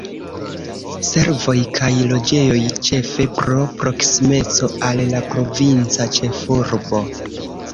Servoj kaj loĝejoj, ĉefe pro proksimeco al la provinca ĉefurbo.